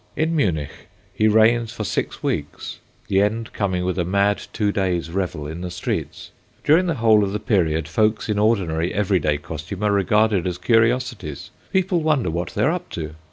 In Munich he reigns for six weeks, the end coming with a mad two days revel in the streets. During the whole of the period, folks in ordinary, every day costume are regarded as curiosities; people wonder what they are up to.